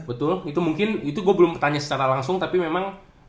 betul itu mungkin itu gue belum tanya secara langsung tapi memang